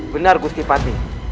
benar gusti pati